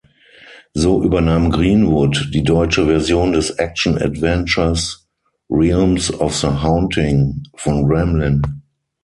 So übernahm Greenwood die deutsche Version des Action-Adventures "Realms of the Haunting" von Gremlin.